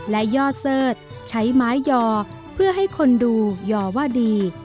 และย่อเสิร์ชใช้ไม้ยอเพื่อให้คนดูยอว่าดี